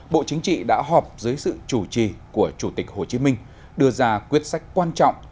bộ chính trị đã họp dưới sự chủ trì của chủ tịch hồ chí minh đưa ra quyết sách quan trọng